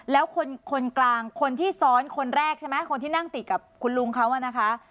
แล้วคนกลางคนที่ซ้อนคนแรกใช่ไหมคนที่นั่งติดกับคุณลุงเขาอะนะคะ